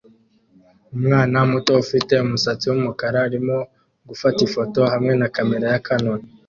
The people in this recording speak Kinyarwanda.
Umwana muto ufite umusatsi wumukara arimo gufata ifoto hamwe na kamera ya Canon